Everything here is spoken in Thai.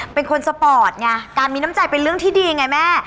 เป็นคนสปอร์ตไงการมีน้ำใจเป็นเรื่องที่ดีไงแม่